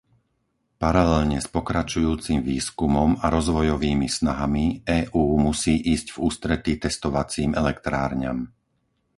Paralelne s pokračujúcim výskumom a rozvojovými snahami, EÚ musí ísť v ústrety testovacím elektrárňam.